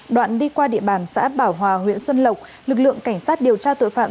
đoạn đi qua địa bàn xã bảo hòa huyện xuân lộc lực lượng cảnh sát điều tra tội phạm